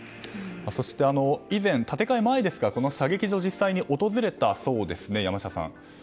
そして以前、建て替えまですがこの射撃場を実際に訪れたそうですね。